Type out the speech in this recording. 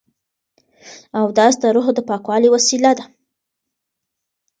اودس د روح د پاکوالي وسیله ده.